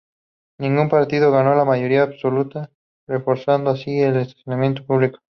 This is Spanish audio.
Ningún partido ganó la mayoría absoluta, reforzando así el estancamiento político.